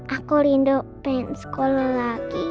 aku rindu pengen sekolah lagi